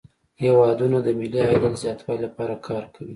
هیوادونه د ملي عایداتو د زیاتوالي لپاره کار کوي